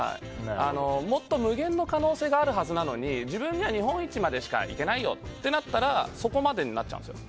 もっと無限の可能性があるはずなのに自分には日本一までしかいけないよってなったらそこまでになっちゃうんですよ。